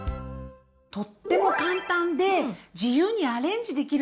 とっても簡単で自由にアレンジできるのがいいよね！